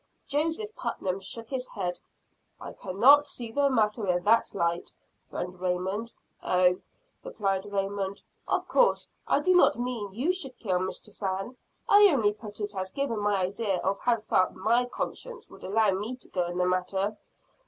Joseph Putnam shook his head. "I cannot see the matter in that light, Friend Raymond." "Oh," replied Raymond, "of course I do not mean you should kill Mistress Ann. I only put it as giving my idea of how far my conscience would allow me to go in the matter.